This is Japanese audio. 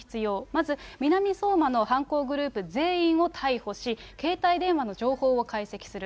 まず、南相馬の犯行グループ全員を逮捕し、携帯電話の情報を解析する。